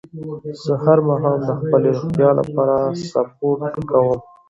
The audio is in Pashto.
زه هر ماښام د خپلې روغتیا لپاره سپورت کووم